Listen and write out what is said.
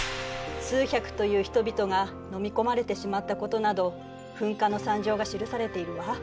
数百という人々が飲み込まれてしまったことなど噴火の惨状が記されているわ。